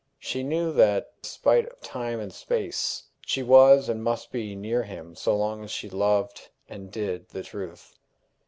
She knew that, spite of time and space, she was and must be near him so long as she loved and did the truth.